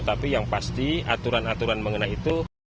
tapi yang pasti aturan aturan mengenai itu